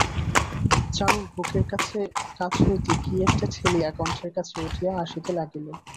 চারুর বুকের কাছ হইতে কী একটা ঠেলিয়া কণ্ঠের কাছে উঠিয়া আসিতে লাগিল।